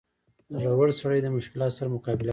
• زړور سړی د مشکلاتو سره مقابله کوي.